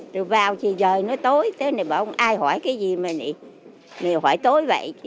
rồi vào giờ nó tối ai hỏi cái gì mà hỏi tối vậy